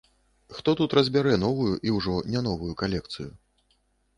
Хто тут разбярэ новую і ўжо не новую калекцыю.